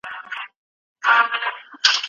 ايا طلاق د عصبي ناروغيو سبب کيږي؟